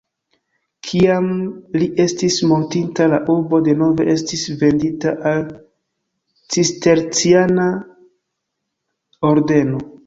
Kiam li estis mortinta, la urbo denove estis vendita al cisterciana ordeno.